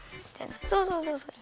そうそうそうそう。